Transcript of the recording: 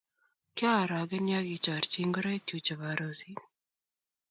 kiaoroken ya kichor chi ngoraikchu chebo arusit.